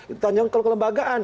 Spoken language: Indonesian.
itu tanya ke lembagaan